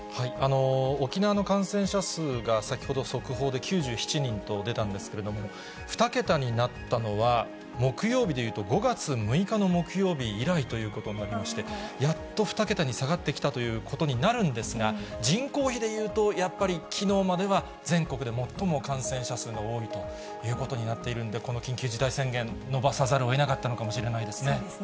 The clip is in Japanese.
沖縄の感染者数が先ほど速報で９７人と出たんですけれども、２桁になったのは、木曜日で言うと、５月６日の木曜日以来ということになりまして、やっと２桁に下がってきたということになるんですが、人口比でいうと、やっぱりきのうまでは全国で最も感染者数が多いということになっているんで、この緊急事態宣言、延ばさざるをえなかったのかもしれないですね。